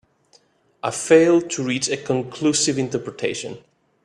I failed to reach a conclusive interpretation.